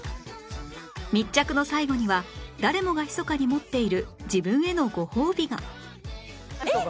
密着の最後には誰もがひそかに持っている自分へのご褒美がえっ！